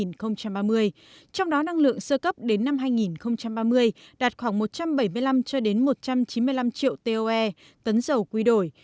trong đó năng lượng sơ cấp đến năm hai nghìn ba mươi đạt khoảng một trăm bảy mươi năm một trăm chín mươi năm triệu toe tấn dầu quy đổi